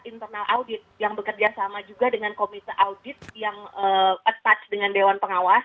internal audit yang bekerja sama juga dengan komite audit yang attach dengan dewan pengawas